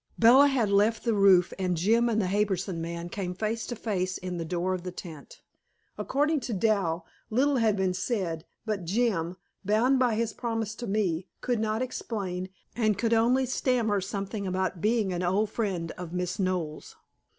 Bella had left the roof and Jim and the Harbison man came face to face in the door of the tent. According to Dal, little had been said, but Jim, bound by his promise to me, could not explain, and could only stammer something about being an old friend of Miss Knowles.